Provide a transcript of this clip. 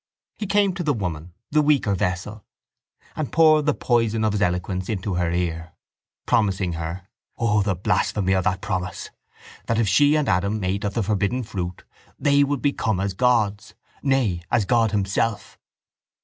He came to the woman, the weaker vessel, and poured the poison of his eloquence into her ear, promising her—O, the blasphemy of that promise!—that if she and Adam ate of the forbidden fruit they would become as gods, nay as God Himself.